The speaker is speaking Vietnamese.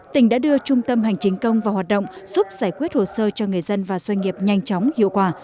tỉnh đã đưa trung tâm hành chính công vào hoạt động giúp giải quyết hồ sơ cho người dân và doanh nghiệp nhanh chóng hiệu quả